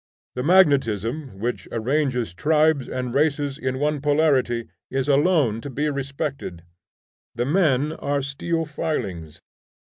The magnetism which arranges tribes and races in one polarity is alone to be respected; the men are steel filings.